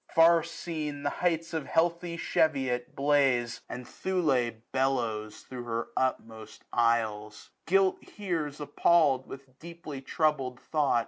Far seen, the heights of heathy Cheviot blaze. And Thule bellows thro' her utmost isles. Guilt hears appall'd, with deeply troubled thought.